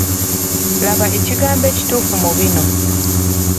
Laba ekigambo ebituufu mu bino.